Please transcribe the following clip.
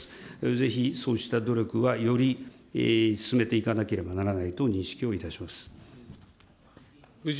ぜひそうした努力はより進めていかなければならないと認識をいたします。